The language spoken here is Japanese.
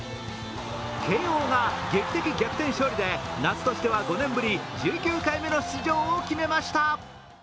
慶応が劇的逆転勝利で夏としては５年ぶり、１９回目の出場を決めました。